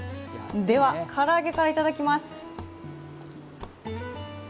では、唐揚げからいただきます。